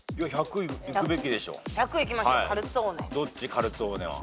カルツォーネは。